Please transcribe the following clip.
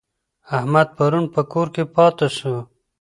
احمد پرون په کور کي پاته سو.